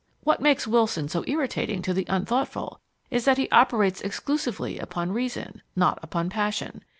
What makes Wilson so irritating to the unthoughtful is that he operates exclusively upon reason, not upon passion.